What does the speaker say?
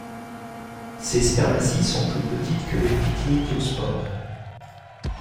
Ces spermaties sont plus petites que les pycnidiospores.